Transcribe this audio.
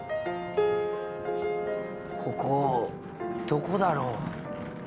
ここどこだろう。